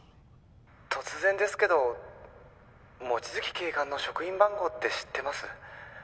突然ですけど望月警官の職員番号って知ってます？